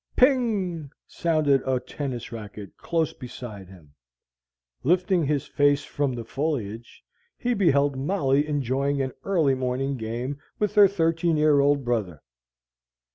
Ping! sounded a tennis racket close beside him. Lifting his face from the foliage, he beheld Molly enjoying an early morning game with her thirteen year old brother.